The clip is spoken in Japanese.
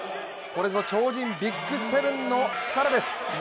これぞ、超人ＢＩＧ７の力です。